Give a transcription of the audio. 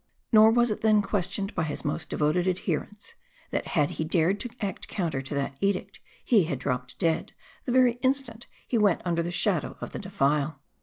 Nor was it then questioned, by his most * devoted adherents, that had he dared to act counter to that edict, he had drop ped dead, the very instant he went under the shadow of the defile.